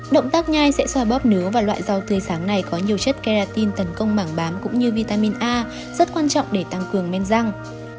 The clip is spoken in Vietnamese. động tác nhai sẽ xoa bóp nứa và loại rau tươi sáng này có nhiều chất caratin tấn công mảng bám cũng như vitamin a rất quan trọng để tăng cường men răng